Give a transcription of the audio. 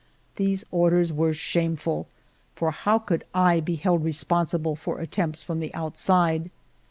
These orders were shameful ; for how could I be held responsible for attempts from the outside?